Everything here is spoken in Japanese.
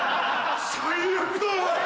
最悪だ！